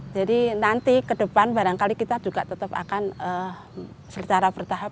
jadi nanti ke depan barangkali kita juga tetap akan secara bertahap pertahap